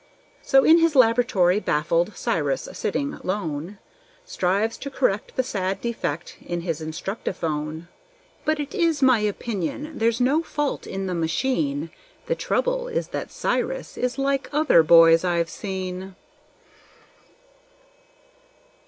So in his laboratory, baffled Cyrus sitting lone, Strives to correct the sad defect in his Instructiphone. But it is my opinion, there's no fault in the machine: The trouble is that Cyrus is like other boys I've seen.